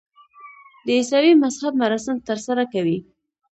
د عیسوي مذهب مراسم ترسره کوي.